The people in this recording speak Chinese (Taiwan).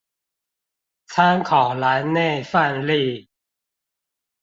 參考欄內範例